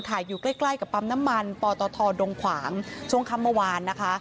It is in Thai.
อยู่ใกล้ใกล้กับปั๊มน้ำมันปตทดงขวางช่วงค่ำเมื่อวานนะคะ